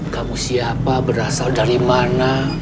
kamu siapa berasal dari mana